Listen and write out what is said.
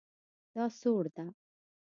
دا سوړ ده